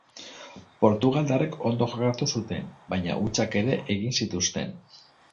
Portugaldarrek ondo jokatu zuten, baina hutsak ere egin zituzten.